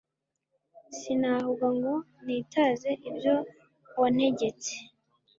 sinahuga ngo nitaze ibyo wantegetse